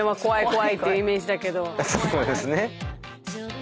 そうですね。